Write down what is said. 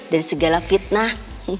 dari segala fitnah